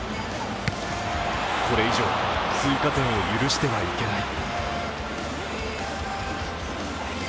これ以上、追加点を許してはいけない。